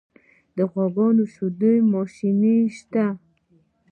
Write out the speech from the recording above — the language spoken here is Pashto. د غواګانو د شیدو ماشین شته؟